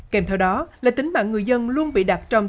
kèm theo đó là tính mạng người dân luôn bị đạp trọng